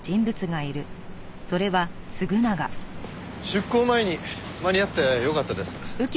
出航前に間に合ってよかったです。